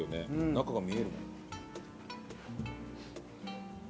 中が見えるもん。